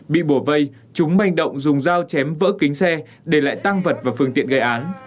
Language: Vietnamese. bị bổ vây chúng manh động dùng dao chém vỡ kính xe để lại tăng vật và phương tiện gây án